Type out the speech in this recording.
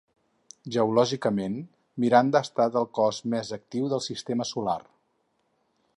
Geològicament, Miranda ha estat el cos més actiu del sistema solar.